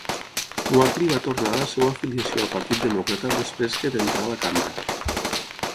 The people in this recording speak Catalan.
Moakley va tornar a la seva afiliació al partit demòcrata després que d'entrar a la cambra.